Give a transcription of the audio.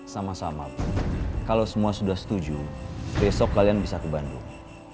sama sama kalau semua sudah setuju besok kalian bisa ke bandung